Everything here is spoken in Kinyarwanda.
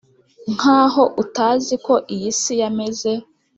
nkaho utazi ko iyisi yameze